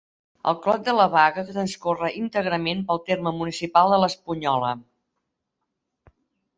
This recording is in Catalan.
El Clot de la Baga transcorre íntegrament pel terme municipal de l'Espunyola.